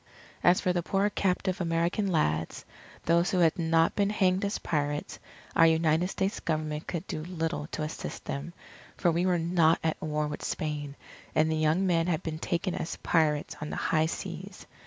As for the poor captive American lads, those who had not been hanged as pirates, our United States Government could do little to assist them, for we were not at war with Spain, and the young men had been taken as pirates on the high seas.